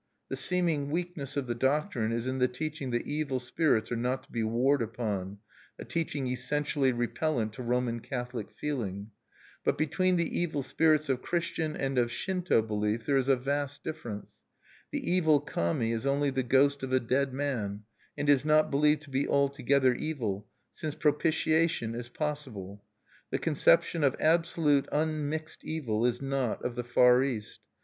The seeming weakness of the doctrine is in the teaching that evil spirits are not to be warred upon, a teaching essentially repellent to Roman Catholic feeling. But between the evil spirits of Christian and of Shinto belief there is a vast difference. The evil Kami is only the ghost of a dead man, and is not believed to be altogether evil, since propitiation is possible. The conception of absolute, unmixed evil is not of the Far East.